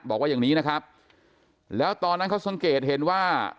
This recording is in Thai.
บอกว่าอย่างนี้นะครับแล้วตอนนั้นเขาสังเกตเห็นว่า